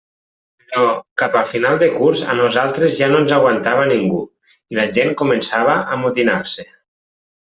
Però cap a final de curs, a nosaltres ja no ens aguantava ningú, i la gent començava a amotinar-se.